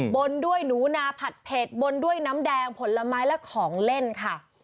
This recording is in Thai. บนด้วยนูนะผัดเผ็ดนำแดงผลไม้พืชและของเล่นค่ะ